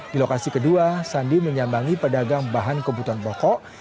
di lokasi kedua sandi menyambangi pedagang bahan kebutuhan pokok